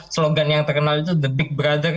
slogan yang terkenal itu the big brother